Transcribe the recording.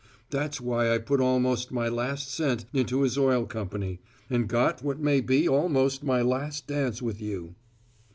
That's why I put almost my last cent into his oil company, and got what may be almost my last dance with you!"